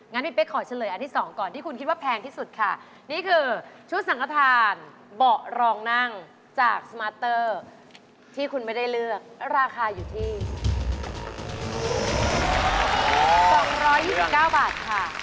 งั้นพี่เป๊กขอเฉลยอันที่๒ก่อนที่คุณคิดว่าแพงที่สุดค่ะนี่คือชุดสังขทานเบาะรองนั่งจากสมาร์เตอร์ที่คุณไม่ได้เลือกราคาอยู่ที่๒๒๙บาทค่ะ